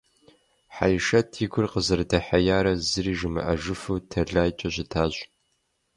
Хьэӏишэт и гур къызэрыдэхьеярэ зыри жимыӀэжыфу тэлайкӀэ щытащ.